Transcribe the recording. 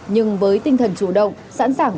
nhưng với tinh thần chủ động sẵn sàng